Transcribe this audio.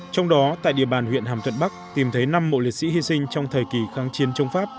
trong đó tại địa bàn huyện hàm thuận bắc tìm thấy năm mộ liệt sĩ hy sinh trong thời kỳ kháng chiến chống pháp